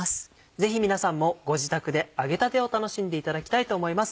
ぜひ皆さんもご自宅で揚げたてを楽しんでいただきたいと思います。